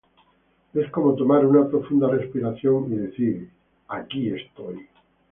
Es como tomar una profunda respiración y decir: 'Aquí estoy.